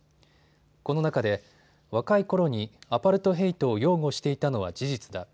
この中で若いころにアパルトヘイトを擁護していたのは事実だ。